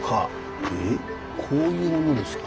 こういうものですか？